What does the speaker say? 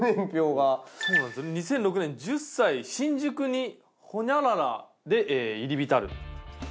２０１６年１０歳新宿にホニャララで入り浸る。